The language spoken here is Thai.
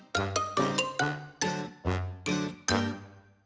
ทำไมตรงนี้จริง